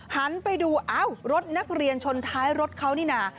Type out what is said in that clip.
หันไปดูอ้าวรถนักเรียนชนท้ายรถเขานี่นะ